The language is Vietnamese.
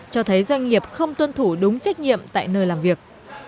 cho thấy doanh nghiệp không tuân thủ đúng trách nhiệm tại nơi làm việc